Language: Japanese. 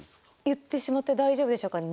言ってしまって大丈夫でしょうか。